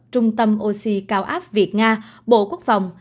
trung tâm oxy cao áp việt nga bộ quốc phòng